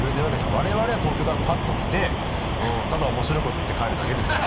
我々は東京からパッと来てただ面白いこと言って帰るだけですから。